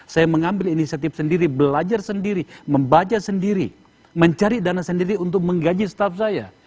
saya mengambil inisiatif sendiri belajar sendiri membaca sendiri mencari dana sendiri untuk menggaji staff saya